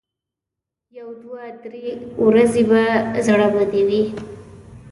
یو دوه درې ورځې به زړه بدې وي.